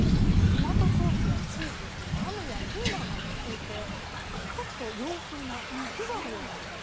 上にトマトソースやチーズ、ハムやピーマンがのっていて、ちょっと洋風なピザのような見た目。